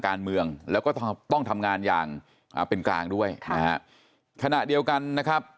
การเมืองแล้วก็ต้องทำงานอย่างอ่าเป็นกลางด้วยนะฮะขณะเดียวกันนะครับ